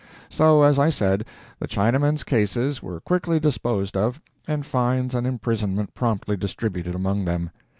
So, as I said, the Chinamen's cases were quickly disposed of, and fines and imprisonment promptly distributed among them.